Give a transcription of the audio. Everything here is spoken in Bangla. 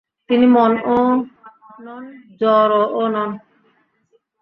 তিনি মনও নন, জড়ও নন।